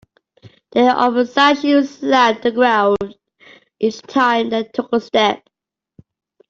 Their oversized shoes slapped the ground each time they took a step.